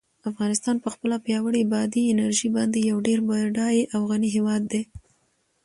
افغانستان په خپله پیاوړې بادي انرژي باندې یو ډېر بډای او غني هېواد دی.